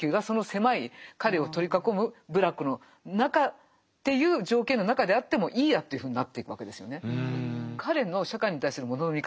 その狭い彼を取り囲む部落の中っていう条件の中であってもいいやというふうになっていくわけですよね。